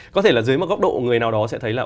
có thể là dưới một góc độ người nào đó sẽ thấy là